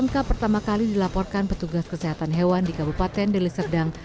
wabah pmk pertama kali dilaporkan petugas kesehatan hewan di kabupaten dili serdang